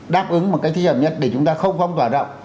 đáp ứng một cái thích hợp nhất để chúng ta không phong tỏa rộng